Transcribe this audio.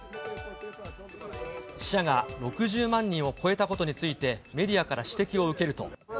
死者が６０万人を超えたことについてメディアから指摘を受けると。